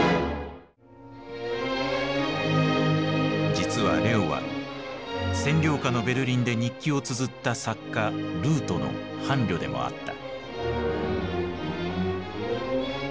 実はレオは占領下のベルリンで日記をつづった作家ルートの伴侶でもあった。